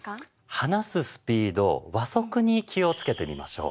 話すスピード「話速」に気をつけてみましょう。